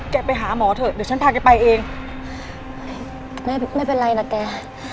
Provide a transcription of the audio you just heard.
ไปหาหมอเถอะเดี๋ยวฉันพาแกไปเองแม่ไม่เป็นไรนะแก